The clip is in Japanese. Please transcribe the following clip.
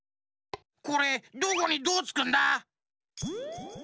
これどこにどうつくんだ？